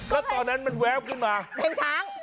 แล้วตอนนั้นมันแวบขึ้นมาเป็นช้าง